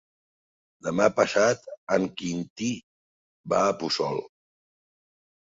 Demà passat en Quintí va a Puçol.